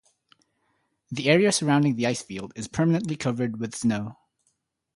The area surrounding the icefield is permanently covered with snow.